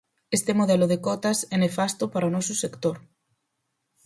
Este modelo de cotas é nefasto para o noso sector.